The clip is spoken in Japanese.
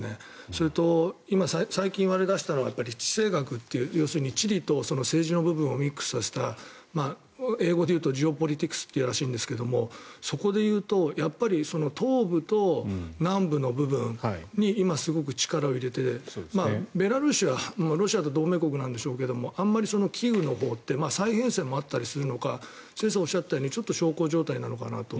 それと、最近言われだしたのが地政学要するに地理と政治の部分をミックスさせた英語で言うとジオポリティクスと言うらしいんですけどそこでいうと東部と南部の部分に今すごく力を入れてベラルーシはロシアと同盟国なんでしょうがあまりキーウのほうって再編成もあったりするのか先生がおっしゃったように小康状態なのかなと。